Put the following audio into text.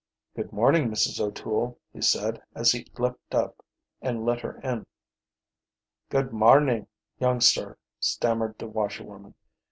"Good morning, Mrs. O'Toole," he said, as he leaped up and let her in. "Good marnin', young sir," stammered the washerwoman.